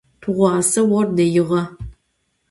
Tığuase vor deiğe.